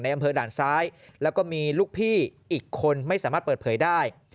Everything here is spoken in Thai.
อำเภอด่านซ้ายแล้วก็มีลูกพี่อีกคนไม่สามารถเปิดเผยได้